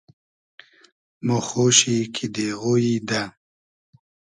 مۉ خۉشی کی دېغۉیی دۂ